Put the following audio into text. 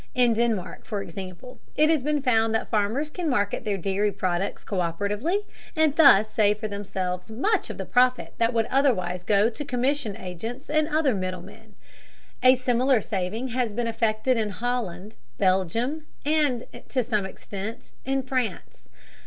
In Denmark, for example, it has been found that farmers can market their dairy products co÷peratively, and thus save for themselves much of the profit that would otherwise go to commission agents and other middlemen. A similar saving has been effected in Holland, Belgium, and, to some extent, in France.